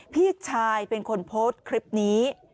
พี่ชายเป็นคนโพสต์คลิปนี้